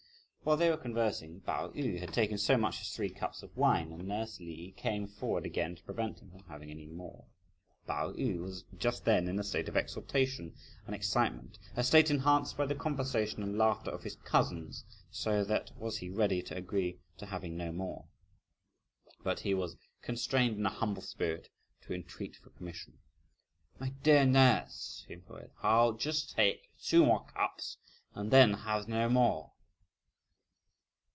While they were conversing, Pao yü had taken so much as three cups of wine, and nurse Li came forward again to prevent him from having any more. Pao yü was just then in a state of exultation and excitement, (a state) enhanced by the conversation and laughter of his cousins, so that was he ready to agree to having no more! But he was constrained in a humble spirit to entreat for permission. "My dear nurse," he implored, "I'll just take two more cups and then have no more."